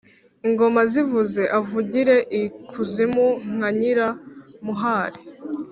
ingoma zivuze/ avugire i kuzimu/ nka nyiramuhari »